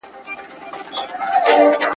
• بډاى ئې له خواره گټي، خوار ئې له بډايه.